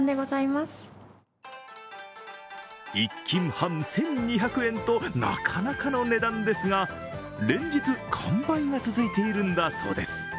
１斤半１２００円と、なかなかの値段ですが、連日完売が続いているんだそうです。